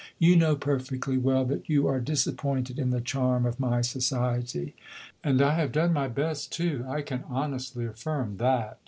You know perfectly well that you are disappointed in the charm of my society. And I have done my best, too. I can honestly affirm that!